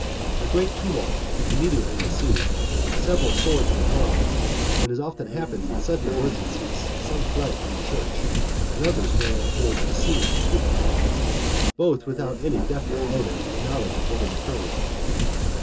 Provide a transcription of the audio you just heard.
A great tumult immediately ensued, several swords were drawn, and as often happens in sudden emergencies, some fled from the church, and others ran toward the scene of tumult, both without any definite motive or knowledge of what had occurred.